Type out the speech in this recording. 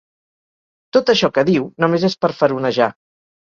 Tot això que diu, només és per faronejar.